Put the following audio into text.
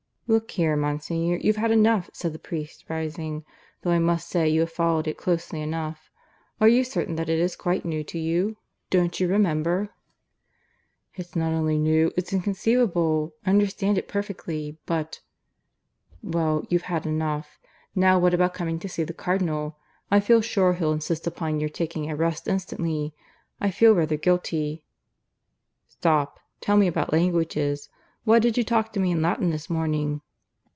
"Look here, Monsignor, you've had enough," said the priest, rising. "Though I must say you have followed it closely enough. Are you certain that it is quite new to you? Don't you remember " "It's not only new; it's inconceivable! I understand it perfectly; but " "Well, you've had enough. Now what about coming to see the Cardinal? I feel sure he'll insist upon your taking a rest instantly. I feel rather guilty " "Stop. Tell me about languages. Why did you talk to me in Latin this morning?"